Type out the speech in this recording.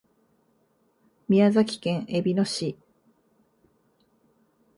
宮崎県えびの市